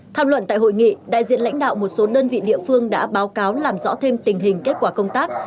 tham luận tại hội nghị đại diện lãnh đạo một số đơn vị địa phương đã báo cáo làm rõ thêm tình hình kết quả công tác